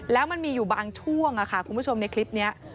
แล้วมันมีอยู่บางช่วงค่ะคุณผู้ชมในคลิปนี้